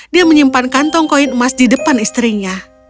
dia menyimpan kantong koin emas di depan istrinya